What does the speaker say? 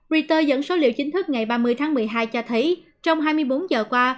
re dẫn số liệu chính thức ngày ba mươi tháng một mươi hai cho thấy trong hai mươi bốn giờ qua